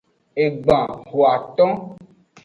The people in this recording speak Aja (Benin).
Egban hoaton.